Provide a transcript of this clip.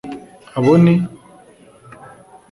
abo ni